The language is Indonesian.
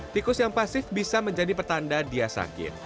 tikus yang pasif bisa menjadi pertanda dia sakit